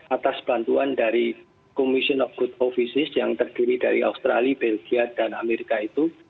atas bantuan dari commission of good offices yang terdiri dari australia belgia dan amerika itu